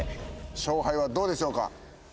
勝敗はどうでしょうか？